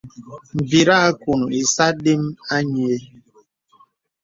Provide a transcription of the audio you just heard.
Mbir àkuŋ ìsə adəm anyì.